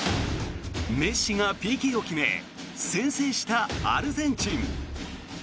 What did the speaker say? メッシがＰＫを決め先制したアルゼンチン。